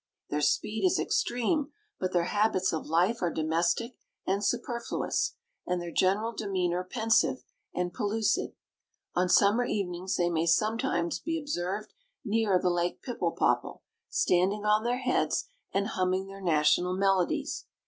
Their speed is extreme, but their habits of life are domestic and superfluous, and their general demeanor pensive and pellucid. On summer evenings they may sometimes be observed near the Lake Pipple popple, standing on their heads, and humming their national melodies.